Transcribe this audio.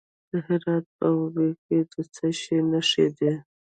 د هرات په اوبې کې د څه شي نښې دي؟